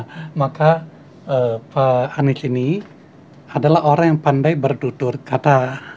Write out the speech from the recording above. jadi maka pak anies ini adalah orang yang pandai bertutur kata